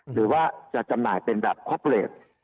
หรือว่าจะจำหน่ายเป็นแบบคอปเลส